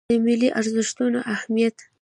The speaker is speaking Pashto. د ملي ارزښتونو اهمیت